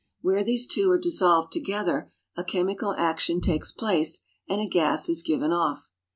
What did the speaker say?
Where these two are dissolved together a chemical action takes place and a gas is given off.